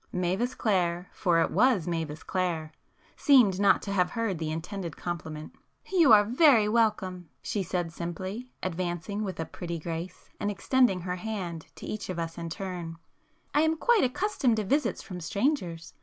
Mavis Clare,—for it was Mavis Clare,—seemed not to have heard the intended compliment. "You are very welcome," she said simply, advancing with a pretty grace, and extending her hand to each of us in turn, "I am quite accustomed to visits from strangers.